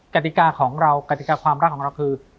กติกาของเรากติกาความรักของเราคือ